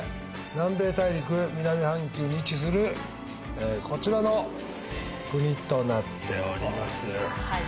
南米大陸南半球に位置するこちらの国となっております